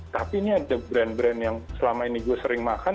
tapi ini ada brand brand yang selama ini gue sering makan